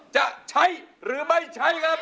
จะใช้หรือไม่ใช้ครับ